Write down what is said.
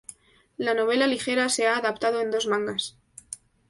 La novela ligera se ha adaptado en dos mangas.